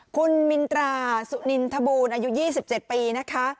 คุณมินตราสุนินทบูรณ์อายุยี่สิบเจ็ดปีนะคะ